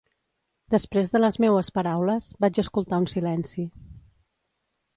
Després de les meues paraules, vaig escoltar un silenci.